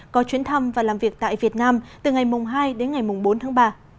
có chuyến thăm và làm việc tại việt nam từ ngày hai đến ngày bốn tháng ba